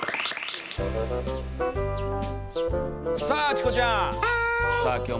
さあ